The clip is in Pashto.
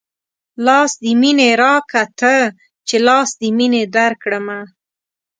لاس د مينې راکه تۀ چې لاس د مينې درکړمه